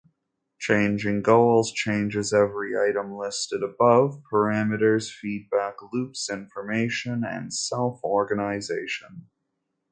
Changing goals changes every item listed above: parameters, feedback loops, information and self-organization.